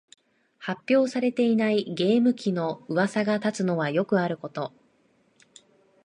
発表されていないゲーム機のうわさが立つのはよくあること